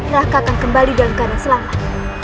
laka akan kembali dalam keadaan selamat